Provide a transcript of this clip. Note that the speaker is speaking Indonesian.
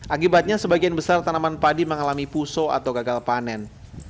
akibatnya sebagian besar tanaman padi mengalami puso atau gagal panen